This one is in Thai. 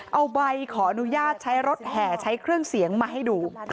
เอาใบขออนุญาตใช้รถแห่ใช้เครื่องเสียงมาให้ดู